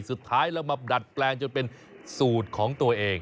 สุดท้ายเรามาดัดแปลงจนเป็นสูตรของตัวเอง